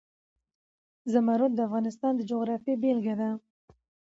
زمرد د افغانستان د جغرافیې بېلګه ده.